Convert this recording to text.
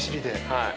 はい。